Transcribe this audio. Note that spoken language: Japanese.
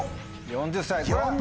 「４０歳」！